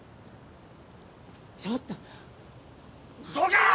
ちょっとどけー！